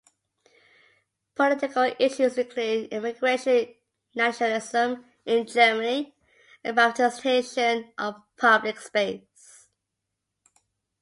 Political issues include immigration, nationalism in Germany and privatisation of public space.